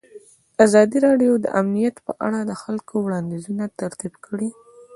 ازادي راډیو د امنیت په اړه د خلکو وړاندیزونه ترتیب کړي.